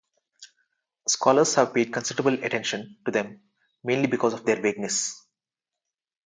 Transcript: Scholars have paid considerable attention to them, mainly because of their vagueness.